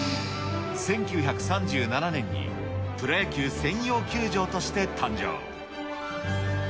１９３７年にプロ野球専用球場として誕生。